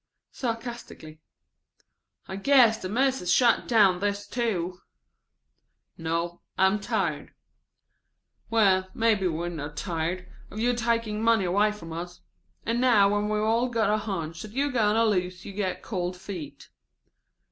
Sarcastically. ("I guess the Mis'es shut down on this, too.") "No, I'm tired." ("Well, maybe we're not tired of you taking money away from us. And now when we've all got a hunch that you are going to lose you get cold feet.")